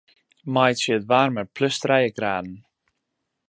Meitsje it waarmer plus trije graden.